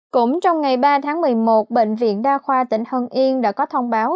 cũng trong ngày ba tháng một mươi một bệnh viện đa khoa tỉnh hưng yên đã có thông báo